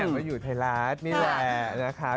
ก็อยากมาอยู่ไทยรัฐนี่แหละนะครับ